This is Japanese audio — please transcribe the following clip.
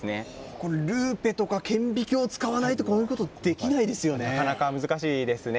これ、ルーペとか顕微鏡を使わないと、こういうことできないなかなか難しいですね。